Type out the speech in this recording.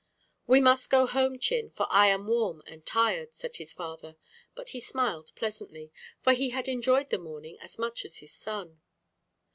"We must go home, Chin, for I am warm and tired," said his father, but he smiled pleasantly, for he had enjoyed the morning as much as his son.